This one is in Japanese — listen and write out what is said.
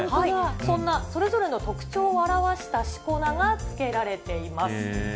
そんな、それぞれの特徴を表したしこ名がつけられています。